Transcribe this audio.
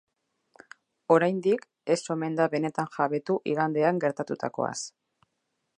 Oraindik, ez omen da benetan jabetu igandean gertatutakoaz.